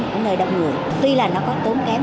của nơi đông người tuy là nó có tốn kém